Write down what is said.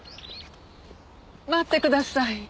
待ってください。